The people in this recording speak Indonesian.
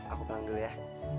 aku bilang dulu ya